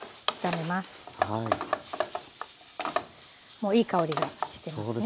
もういい香りがしてますね。